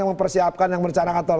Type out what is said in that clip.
yang mempersiapkan yang bercarakan